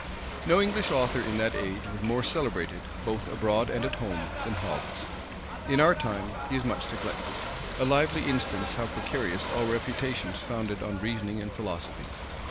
No English author in that age was more celebrated, both abroad and at home, than Hobbes: in our time, he is much neglected; a lively instance how precarious all reputations founded on reasoning and philosophy.